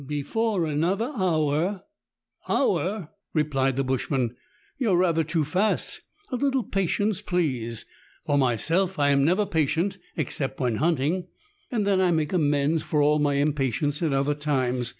Before another hour " "Hour!" replied the bushman. "You are rather too fast. A little patience, please. For myself, I am never patient except when hunting, and then I make amends for all my impatience at other times.